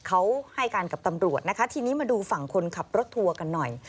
เขาให้การกับตำรวจนะคะทีนี้มาดูฝั่งคนขับรถทัวร์กันหน่อย